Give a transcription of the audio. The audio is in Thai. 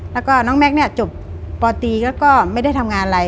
แล้วก็น้องแม็กซ์เนี่ยจบปตีแล้วก็ไม่ได้ทำงานอะไร